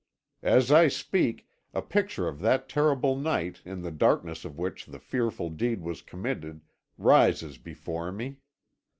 "As I speak, a picture of that terrible night, in the darkness of which the fearful deed was committed, rises before me.